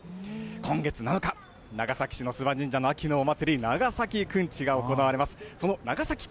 今月７日、長崎市の諏訪神社の秋のお祭り、長崎くんちが行われます。